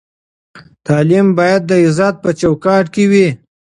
تعلیم باید د عزت په چوکاټ کې وي.